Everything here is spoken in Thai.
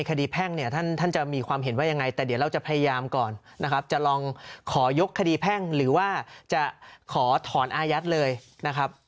แพ่งเนี่ยท่านจะมีความเห็นว่ายังไงแต่เดี๋ยวเราจะพยายามก่อนนะครับจะลองขอยกคดีแพ่งหรือว่าจะขอถอนอายัดเลยนะครับ